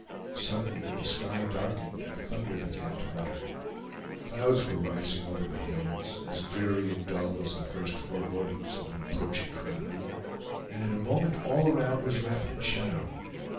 Suddenly the sky darkened, and thunder began to mutter. Clouds were rising over the hills, as dreary and dull as the first forebodings of an approaching calamity; and in a moment all around was wrapped in shadow.